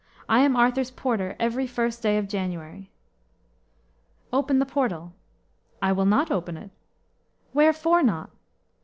I am Arthur's porter every first day of January." "Open the portal." "I will not open it." "Wherefore not?"